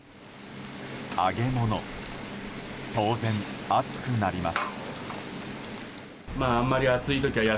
揚げ物当然、暑くなります。